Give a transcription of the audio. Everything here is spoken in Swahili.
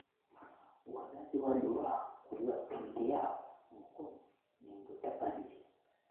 watu mia kumi na tano walikufa